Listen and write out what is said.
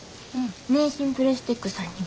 名神プレステックさんに。